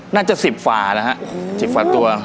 น่าจะ๑๐ฝ่านะฮะ๑๐ฝ่าตัว